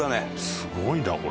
すごいなこれ。